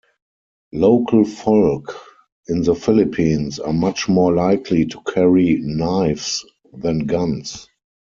Local folk in the Philippines are much more likely to carry knives than guns.